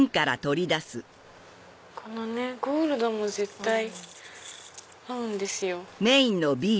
このゴールドも絶対合うんですよ。